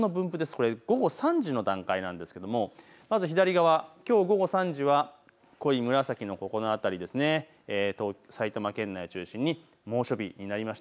これ午後３時の段階なんですけれどもまず左側、きょう午後３時は濃い紫のこの辺りと埼玉県内中心に猛暑日になりました。